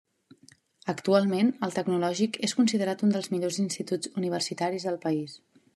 Actualment el Tecnològic és considerat un dels millors instituts universitaris del país.